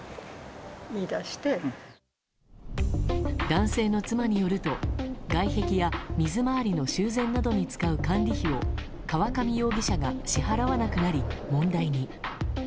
男性の妻によると外壁や水回りの修繕などに使う管理費を河上容疑者が支払わなくなり、問題に。